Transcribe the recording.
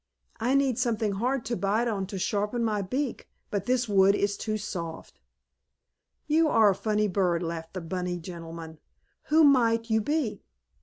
"I need something hard to bite on to sharpen my beak, but this wood is too soft." "You are a funny bird," laughed the bunny gentleman. "Who might you be?"